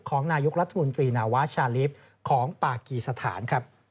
ของนายุคลัตโนนาวาชาลีฟของปากีสถาน